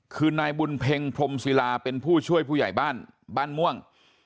คือนายบุญเพ็งพรมศิลาเป็นผู้ช่วยผู้ใหญ่บ้านบ้านม่วง